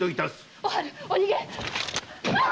〔おはるお逃げ！〕